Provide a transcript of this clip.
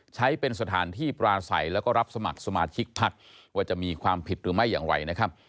ใช้เป็นสถานที่ปราศัยแล้วก็รับสมัครสมาชิกพักว่าจะมีความผิดหรือไม่อย่างไรนะครับ